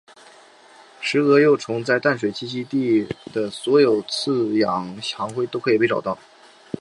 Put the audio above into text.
石蛾幼虫在淡水栖息地的所有饲养行会都可以被找到。